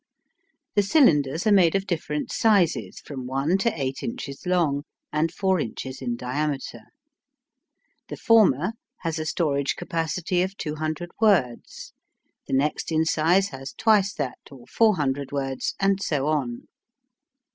The cylinders are made of different sizes, from 1 to 8 inches long and 4 inches in diameter. The former has a storage capacity of 200 words. The next in size has twice that, or 400 words, and so on.